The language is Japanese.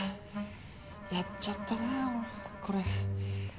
やっちゃったな俺これ。